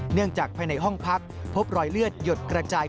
เนื่องจากภายในห้องพักพบรอยเลือดหยดกระจาย